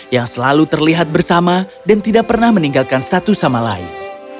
yang selalu terlihat bersama dan tidak pernah meninggalkan satu sama lain